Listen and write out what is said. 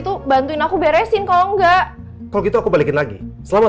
dapat surat panggilan itu artinya memang